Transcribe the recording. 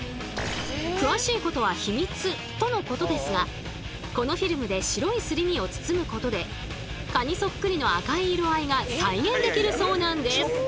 詳しいことはヒミツとのことですがこのフィルムで白いすり身を包むことでカニそっくりの赤い色合いが再現できるそうなんです。